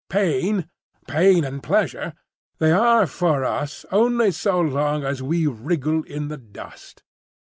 Pain, pain and pleasure, they are for us only so long as we wriggle in the dust.